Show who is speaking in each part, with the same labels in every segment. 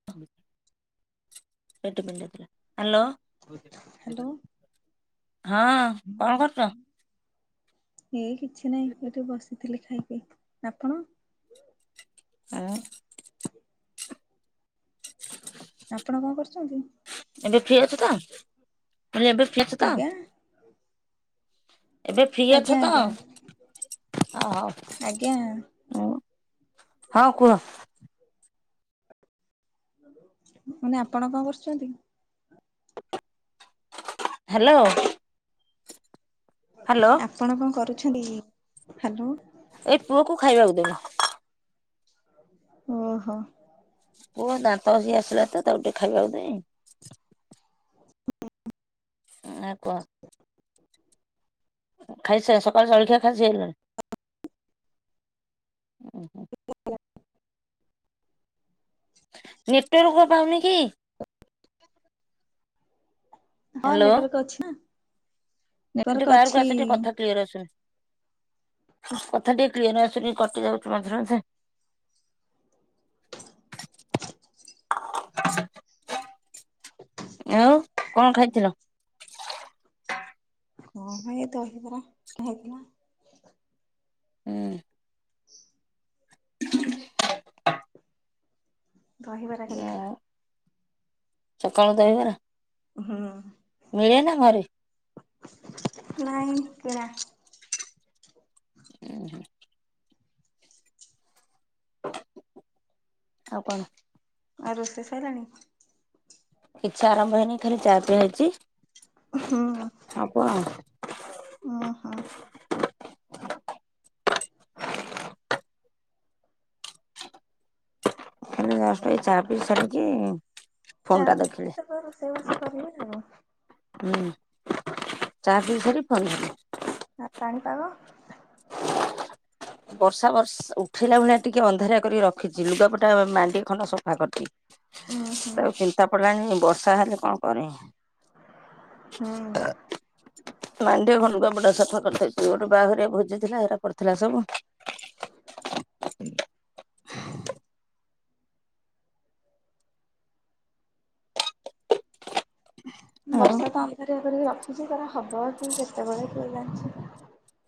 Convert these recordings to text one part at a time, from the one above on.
Speaker 1: [unintelligible]
Speaker 2: Hello
Speaker 1: [unintelligible]
Speaker 2: ଇଏ କିଛି ନାହିଁ, ଏଠି ବସିଥିଲି ଖାଇକି। ଆପଣ?
Speaker 1: [inaudible]
Speaker 2: ଆପଣ ଙ୍କ କରୁଚନ୍ତି?
Speaker 1: ଏବେ ଫ୍ରି ଅଛ ତ? ଏବେ ଫ୍ରି ଅଛ ତ?
Speaker 2: ଆଜ୍ଞା
Speaker 1: ଏବେ ଫ୍ରି ଅଛ
Speaker 2: ଆଜ୍ଞା
Speaker 1: ତ?
Speaker 2: ଆଜ୍ଞା ଆଜ୍ଞା
Speaker 1: [inaudible]
Speaker 2: ନେ ଆପଣ ଙ୍କ କରୁଚନ୍ତି?
Speaker 1: [unintelligible] ହାଲୋ।
Speaker 2: ଆପଣ ଙ୍କ କରୁଛନ୍ତି କି? ହ୍ୟାଲୋ!
Speaker 1: ଏଇ ପୁଅ କୁ ଖାଇବାକୁ ଦେ
Speaker 2: [inaudible] ଓହୋ।
Speaker 1: ପୁଅ ଦାନ୍ତ ଘଷି ଆସିଲା ତ, ତାକୁ ଟିକେ ଖାଇବାକୁ ଦେଇଁ। [inaudible] [inaudible] ନେଟ୍ ୱାର୍କ ପାଉନି କି?
Speaker 2: ହଁ,
Speaker 1: ହ୍ୟାଲୋ
Speaker 2: ନେଟ୍--ର୍କ ଅଛି ନା। ନେଟୱାର୍କ
Speaker 1: ବାହାରକୁ
Speaker 2: ଅଛି।
Speaker 1: ଆସ ଟିକେ କଥା କ୍ଲିୟର ଆ--ନି। କଥା ଟିକେ କ୍ଲିୟର ଆସୁନି, କଟି ଯାଉଚି ମଝିରେ ମ ଆଉ କ'ଣ ଖାଇଥିଲ?
Speaker 2: ହଁ ମ, ଏଇ ଦହି ବରା ଥିଲା।
Speaker 1: [inaudible]
Speaker 2: ଦହି ବରା ହେଇ ଥିଲା।
Speaker 1: ଆଉ ସକାଳୁ ଦହିବରା।
Speaker 2: ହୁଁ।
Speaker 1: ମିଳେ ନା ଘରେ?
Speaker 2: ନାଇଁ କିଣା।
Speaker 1: ଉଁ ହୁଁ। ଆଉ କଣ?
Speaker 2: ଆଉ ରୋଷେଇ ସଇଲାଣି?
Speaker 1: କିଛି ଆରମ୍ଭ ହେଇନି ଖାଲି ଚା ପିଆ ହେଇଚି।
Speaker 2: ହୁଁ।
Speaker 1: ହବ ଆଉ।
Speaker 2: ଉଁ ହୁଁ।
Speaker 1: ଖାଲି ଜଷ୍ଟ ଏଇ ଚା ପି ସାରିକି ଫୋନ
Speaker 2: ଚା
Speaker 1: ଟା
Speaker 2: ପିଇ
Speaker 1: ଦେଖିଲି
Speaker 2: ସାରିକି ତାପରେ ରୋଷେଇବାସ କରିବେ ଆଉ।
Speaker 1: ହୁଁ। ଚାହା ପି ସାରି, ଫୋନ୍ କରିବି।
Speaker 2: ଆ ପାଣିପାଗ
Speaker 1: ବର୍ଷା ବର୍ ଉଠେଇଲା ଭଳିଆ, ଟିକେ ଅନ୍ଧାରିଆ କରି ରଖିଚି। ଲୁଗାପଟା ମାଣ୍ଡିଏ ଖଣ୍ଡେ ସଫା କରିଚି।
Speaker 2: ଉଁ ହୁଁ
Speaker 1: ତାକୁ ଚିନ୍ତା ପଡିଲାଣି, ବର୍ଷା ହେଲେ କଣ କରିବି।
Speaker 2: ହୁଁ।
Speaker 1: [inaudible] ମାଣ୍ଡିଏ ଖଣ୍ଡେ ଲୁଗା ପଟା ସଫା କରିଦେଇଚି। ଗୋଟେ ବାହାଘରିଆ ଭୋଜିଥିଲା, ହେରା ପଡିଥିଲା ସବୁ। [inaudible]
Speaker 2: ବର୍ଷା
Speaker 1: ଆଉ
Speaker 2: ତ ଅନ୍ଧାରିଆ କରିକି ରଖିଚି। ତାର ହବ କି କେତେବେଳେ, କେ ଜାଣିଚି।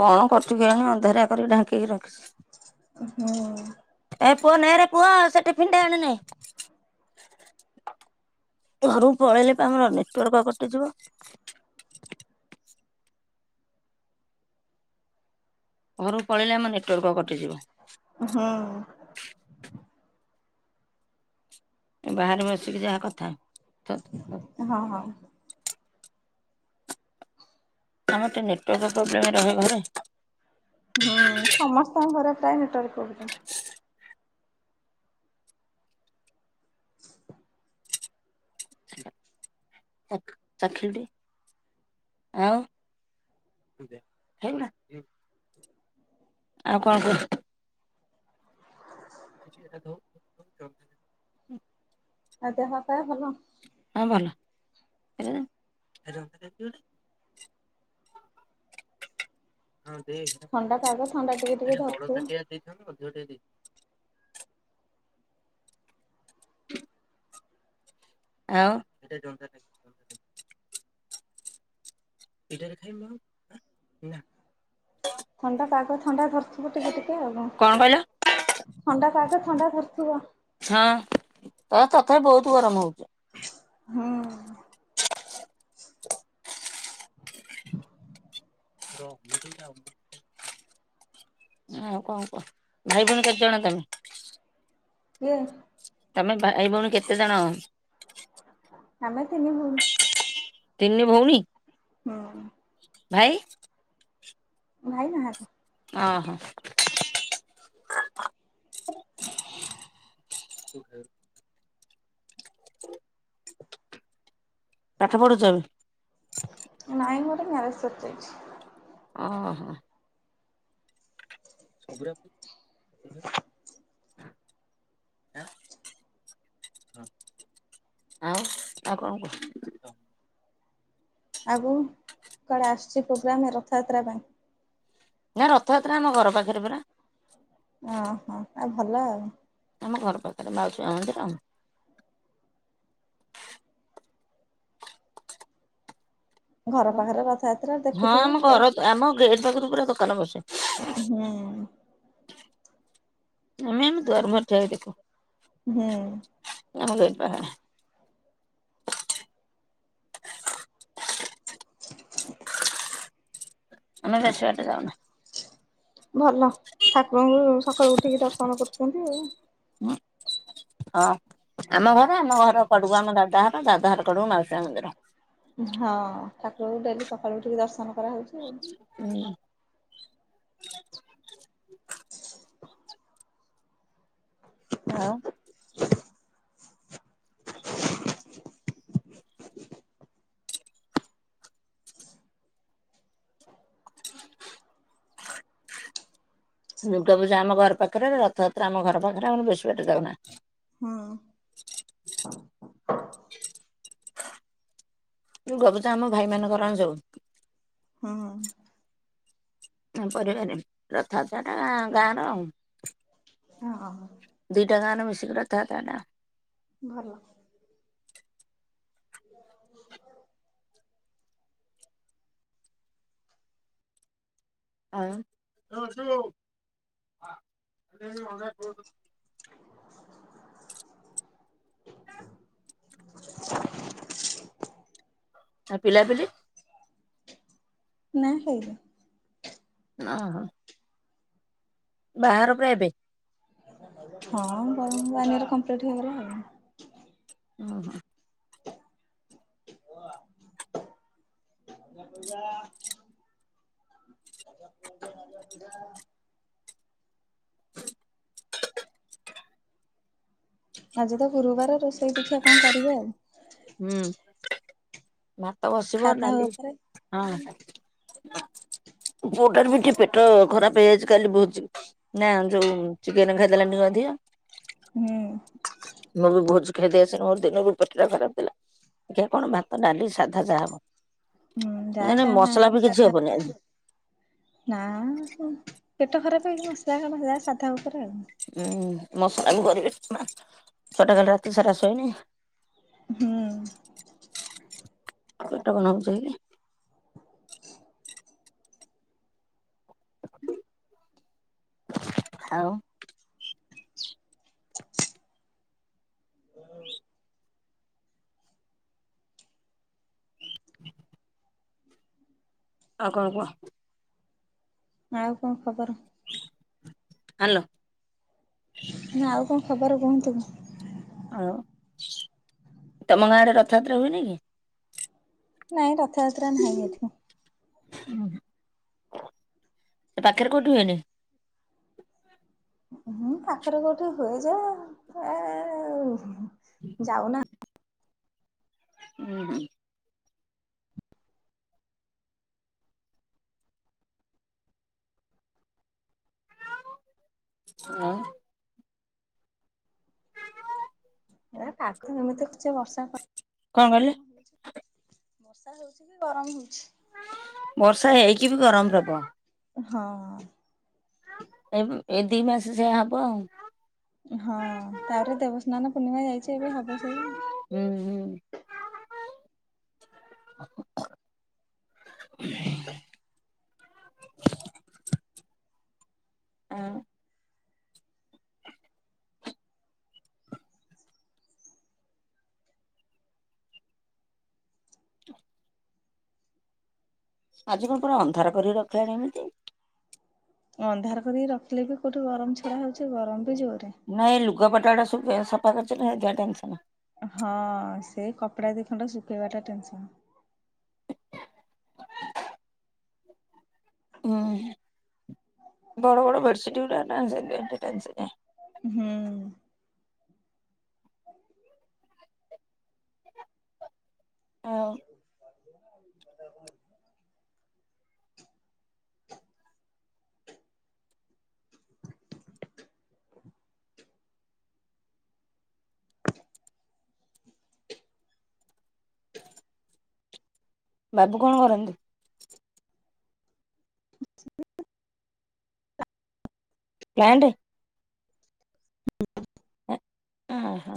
Speaker 1: କଣ କରୁଚି କେଜାଣି, ଅନ୍ଧାରିଆ କରିକି ଢାଙ୍କିକି ରଖିଚି।
Speaker 2: ହୁଁ।
Speaker 1: ଏ ପୁଅ ନେ ରେ ପୁଅ ସେ ଟିଫିନ୍‌ଟେ ଆଣି ନେ। ଘରୁକୁ ପଳେଇଲେ ପା ଆମର ନେଟୱାର୍କ କଟିଯିବ। ଘରକୁ ପଳେଇଲେ ଆମ ନେଟୱାର୍କ କଟିଯିବ।
Speaker 2: ହୁଁ।
Speaker 1: ବାହାରେ ବସିକି ଯାହା କଥା।
Speaker 2: ହଁ, ହଁ।
Speaker 1: ଆମର ଟିକେ ନେଟୱାର୍କ ପ୍ରୋବ୍ଲେମ ରହେ ଘରେ।
Speaker 2: ହୁଁ। ସମସ୍ତଙ୍କ ଘରେ ପ୍ରାୟ ନେଟୱାର୍କ ପ୍ରୋବ୍ଲେମ। [inaudible]
Speaker 1: ଚାଖ ଚାଖିଲୁ ଟିକେ ଆଉ ହେଇଗୁଡ଼ା ଆଉ କଣ। [unintelligible] [unintelligible]
Speaker 2: ଆଉ ଦେହ ପା ଭଲ?
Speaker 1: ହଁ, ଭଲ। [unintelligible] [inaudible] ହଁ, ଦେଖେ।
Speaker 2: ଥଣ୍ଡା ପାଗ, ଥଣ୍ଡା ଟିକେ ଟିକେ ଧରିଥିବ।
Speaker 1: ସେଇ ଦିନଠୁ ଅଧିକ ଟିକେ। [unintelligible] ଆଉ ଏଇଟାରେ ଖାଇବୁ [unintelligible] ନା।
Speaker 2: ଥଣ୍ଡା ପାଗ। ଥଣ୍ଡା ଧରିଥିବ ଟିକେ ଟିକେ, ଆଉ କଣ? ଥଣ୍ଡା ପାଗ। ଥଣ୍ଡା ଧରିଥିବ।
Speaker 1: ହଁ, ତ ତଥାପି ବହୁତୁ ଗରମ ହଉଚି।
Speaker 2: ହୁଁ-ଉ-। [inaudible]
Speaker 1: [unintelligible] ଆଉ କଣ କୁହ? ଭାଇ, ଭଉଣୀ କେତେ ଜଣ ତମେ?
Speaker 2: କିଏ?
Speaker 1: ତମେ ଭାଇ, ଭଉଣୀ କେତେ ଜଣ?
Speaker 2: ଆମେ ତିନି ଭଉଣୀ।
Speaker 1: ତିନି ଭଉଣୀ?
Speaker 2: ହୁଁ।
Speaker 1: ଭାଇ?
Speaker 2: ଭାଇ ନାହିଁ।
Speaker 1: ଅ, ହ। [inaudible] ପାଠ ପଢ଼ୁଛ ଏବେ?
Speaker 2: ନାଇଁ, ମୋର ମ୍ୟାରେଜ୍‌ ସରିଯାଇଛି।
Speaker 1: ଓହୋ। ଶୁଣିଲାନି? [unintelligible] ଆଉ ଆଉ କଣ କୁହ?
Speaker 2: ଆଗୁକୁ କୁଆଡ଼େ ଆସୁଚି ପ୍ରୋଗ୍ରାମ ରଥଯାତ୍ରା ପାଇଁ?
Speaker 1: ନା ରଥଯାତ୍ରା ଆମ ଘର ପାଖରେ ପରା।
Speaker 2: ଓହୋ ଆଉ ଭଲ ଆଉ।
Speaker 1: ଆମ ଘର ପାଖେରେ ମାଉସୀ ମା ମନ୍ଦିର ଆଉ
Speaker 2: ଘର ପାଖରେ ରଥଯାତ୍ରା
Speaker 1: ହଁ
Speaker 2: ଦେଖୁଥିବ
Speaker 1: ଆମ
Speaker 2: ଦେ
Speaker 1: ଘର ଆମ ଗେଟ୍ ପାଖରୁ ପୁରା ଦୋକାନ ବସେ।
Speaker 2: ହୁଁ
Speaker 1: ଆମେ ଆମ ଦୁଆର ମୁହଁରେ ଠିଆ ହେଇକି ଦେଖୁ।
Speaker 2: ହୁଁ।
Speaker 1: ଆମ ଦେଇ ପାଉଣା [unintelligible]
Speaker 2: [inaudible]
Speaker 1: ଆମେ ବେଶୀ ବାଟ ଯାଉନା।
Speaker 2: ଭଲ ଠାକୁରଙ୍କୁ ସକାଳୁ ଉଠିକି ଦର୍ଶନ କରୁଛନ୍ତି ଆଉ।
Speaker 1: [unintelligible] ହଁ ଆମ ଘର ଆମ ଘର କଡୁକୁ ଆମ ଦାଦା ଘର ଦାଦା ଘର କଡୁୁକୁ ମାଉସୀ ମା ମନ୍ଦିର।
Speaker 2: ହଁ ଠାକୁରଙ୍କୁ ଡେଲି ସକାଳୁ ଉଠିକି ଦର୍ଶନ କରାହଉଚି।
Speaker 1: ଉଁ। ଆଉ? ହ [inaudible] ଦୁର୍ଗାପୂଜା ଆମ ଘର ପାଖରେ। ରଥଯାତ୍ରା ଆମ ଘର ପାଖରେ ଆମେ ବେଶୀ ବାଟ ଯାଉନା।
Speaker 2: ହୁଁ।
Speaker 1: ଗବୁ ତ ଆମ ଭାଇ ମାନଙ୍କର ଆମେ ଯାଉ।
Speaker 2: ହୁଁ।
Speaker 1: ଉଁ ପରିବାରବି ଯାତ୍ରା ରଥଯାତ୍ରା ଟା ଗାଁ ର ଆଉ।
Speaker 2: ହୁଁ ଆମେ
Speaker 1: ଦୁଇଟା ଗାଁର ମିଶିକି ରଥଯାତ୍ରା ଟା।
Speaker 2: ଭଲ [inaudible]
Speaker 1: ଆଉ
Speaker 2: [inaudible] [inaudible]
Speaker 1: ଆ, ପିଲାପିଲି?
Speaker 2: ନା ହେଉନି।
Speaker 1: ଓହୋ! ବାହାଘର ପ୍ରାୟ ଏବେ?
Speaker 2: ହଁ ୱାନ୍ ୱାନ୍ ଇୟର୍ କମ୍ପ୍ଲିଟ୍ ହେଇଗଲା ଆଉ।
Speaker 1: ଓହୋ!
Speaker 2: [unintelligible] [unintelligible] ଆଜି ତ ଗୁରୁବାର ରୋଷେଇ ଦେଖିଆ କଣ କରିବା ଆଉ।
Speaker 1: ହୁଁ, ଭାତ ବସିବ
Speaker 2: ସାଧା
Speaker 1: ଡାଲି
Speaker 2: ଉପରେ
Speaker 1: ହଁ ପୁଅ ଟାର ବି ଟିକେ ପେଟ ଖରାପ ହେଇଯାଇଛି, କାଲି ଭୋଜି ନା ଯୋଉ ଚିକେନ୍ ଖାଇଦେଲାଣି ଟିକେ ଅଧିକ।
Speaker 2: ହୁଁ।
Speaker 1: ମୁଁ ବି ଭୋଜି ଖାଇ ଦେଇ ଆସିନି ମୋର ଦିନରୁ ପେଟଟା ଖରାପ। ଥିଲା। ଦେଖିଆ କଣ ଭାତ, ଡାଲି, ସାଧା ଯାହା ହବ,
Speaker 2: ହୁଁ ଯାହା
Speaker 1: ମାନେ
Speaker 2: ସାଧା
Speaker 1: ମସଲା ବି କିଛି
Speaker 2: ସାଧା
Speaker 1: ହବନି
Speaker 2: ଉପରେ
Speaker 1: ଆଜି।
Speaker 2: ନା, ହଁ ପେଟ ଖରାପ ହେଇକି ମସଲା କଣ ଖାଇବା, ସାଧା ଉପରେ ଆଉ।
Speaker 1: ଉଁ, ମସଲା ମୁଁ କରିବି ନା ଛୁଆଟା କାଲି ରାତି ସାରା ଶୋଇନି।
Speaker 2: ହୁଁ।
Speaker 1: ପେଟ କଣ ହଉଛି କି ଆଉ। ଆଉ କଣ କୁହ?
Speaker 2: ଆଉ କଣ ଖବର?
Speaker 1: ହ୍ୟାଲୋ।
Speaker 2: ନା ଆଉ କଣ ଖବର କୁହନ୍ତୁ?
Speaker 1: ଆଉ ତୋମ ଗାଁରେ ରଥଯାତ୍ରା ହୁଏନି କି?
Speaker 2: ନାଇଁ ରଥଯାତ୍ରା ନାହିଁ ଏଠି।
Speaker 1: ଅଁ, ହଁ, ସେ ପାଖରେ କୋଉଠି ହୁଏନି?
Speaker 2: ହୁଁ, ପାଖରେ କୋଉଠି ହୁଏ ଯେ ଆ, ଆ, ଆଉ ଯାଉନା।
Speaker 1: ଉଁ, ହୁଁ। ଆ,
Speaker 2: ନା ପାଖ ମାନେ ତ କିଛି ବର୍ଷା ଫ
Speaker 1: କଣ କହିଲେ
Speaker 2: [inaudible] ବର୍ଷା ହଉଛି ବି ଗରମ ହଉଛି।
Speaker 1: ବର୍ଷା ହେଇକି ବି ଗରମ ପ୍ରବଳ।
Speaker 2: ହଁ।
Speaker 1: ଏ ଉଁ, ଏ ଦି ମାସ ସେୟା ହବ ଆଉ।
Speaker 2: ଏ ହଁ ତାରେ ଦେବସ୍ନାନ ପୂର୍ଣ୍ଣିମା ଯାଇଛି ଏବେ ହବ ସେଇଆ।
Speaker 1: ହୁଁ, ହୁଁ। ଆଁ, ଆଜି କଣ ପୁରା ଅନ୍ଧାର କରିକି ରଖିଲାଣି ଏମିତି।
Speaker 2: ଅନ୍ଧାର କରିକି ରଖିଲେ ବି କୋଉଠି ଗରମ ଛଡା ହଉଛି। ଗରମ ବି ଜୋରରେ।
Speaker 1: ନାଇଁ ଲୁଗାପଟା ଗୁଡା ସବୁ [unintelligible] ସଫା କରିଚି ନା ଅଧିକା ଟେନସନ।
Speaker 2: ହଁ ସେଇ କପଡା ଦିଖଣ୍ଡ ଶୁଖେଇବା ଟା ଟେନସନ୍।
Speaker 1: ହୁଁ ବଡ ବଡ ବେଡସିଟ ଗୁଡା [unintelligible] ସେଥିପାଇଁ ଟେନସନିଆ।
Speaker 2: ହୁଁ।
Speaker 1: ଆଉ ବାବୁ କଣ କରନ୍ତି?
Speaker 2: [inaudible]
Speaker 1: ପ୍ଲାଣ୍ଟେ
Speaker 2: [inaudible]
Speaker 1: ଉଁ ହୁଁ।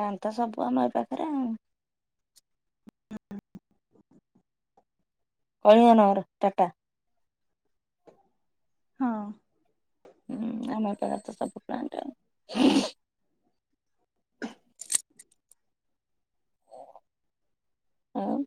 Speaker 1: [unintelligible] ତ ସବୁ ଆମ ଏ ପାଖରେ ଆଉ। କଳିଙ୍ଗ ନଗର ଟାଟା।
Speaker 2: ହଁ।
Speaker 1: ହୁଁ ଆମ ଏପଟେ ତ ସବୁ ପ୍ଲାଣ୍ଟ ଆଉ। [inaudible] ହୁଁ।